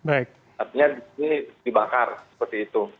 artinya ini dibakar seperti itu